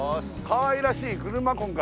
かわいらしい車今回。